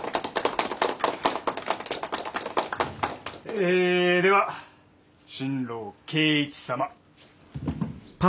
えでは新郎圭一様。